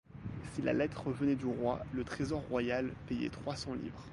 Si la lettre venait du roi, le Trésor royal payait trois cents livres.